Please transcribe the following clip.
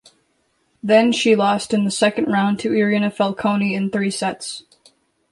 Then she lost in the second round to Irina Falconi in three sets.